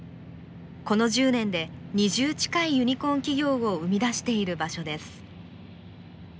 この１０年で２０近いユニコーン企業を生み出している場所です。